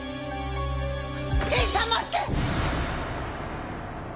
刑事さん待って！